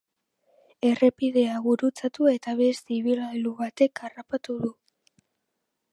Errepidea gurutzatu eta beste ibilgailu batek harrapatu du.